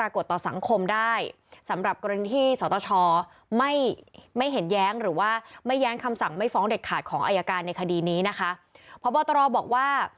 ของอายการในคดีนี้นะคะผอบตรบอกว่า